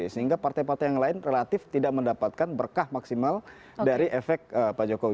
sehingga partai partai yang lain relatif tidak mendapatkan berkah maksimal dari efek pak jokowi